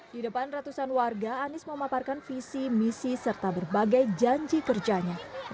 di depan ratusan warga anies memaparkan visi misi serta berbagai janji kerjanya